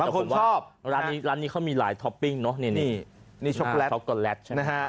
บางคนชอบร้านนี้เขามีหลายท็อปปิ้งเนอะนี่ช็อคโกแลต